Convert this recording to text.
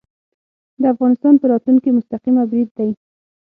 د افغانستان په راتلونکې مستقیم برید دی